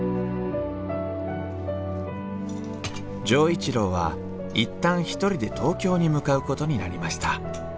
錠一郎は一旦一人で東京に向かうことになりました。